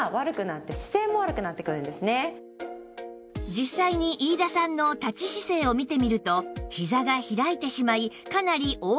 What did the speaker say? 実際に飯田さんの立ち姿勢を見てみるとヒザが開いてしまいかなり Ｏ 脚ぎみ